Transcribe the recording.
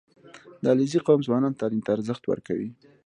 • د علیزي قوم ځوانان تعلیم ته ارزښت ورکوي.